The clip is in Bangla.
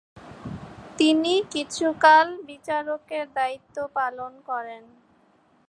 তিনি কিছুকাল বিচারকের দায়িত্ব পালন করেন।